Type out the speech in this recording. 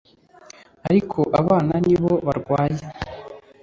ariko abana ni bo barwaye